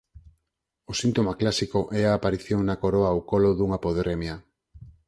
O síntoma clásico é a aparición na coroa ou colo dunha podremia.